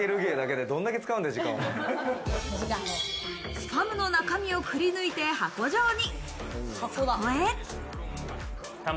スパムの中身をくり抜いて箱状に。